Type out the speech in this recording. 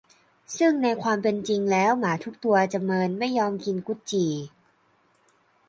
ซึ่งในความเป็นจริงแล้วหมาทุกตัวจะเมินไม่ยอมกินกุดจี่